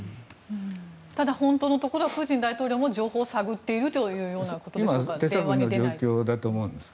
ただ本当のところはプーチン大統領も情報を探っているということでしょうか電話に出ないというのは。